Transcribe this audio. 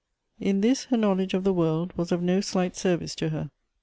In this, her knowl edge of the world was of no slight service to her.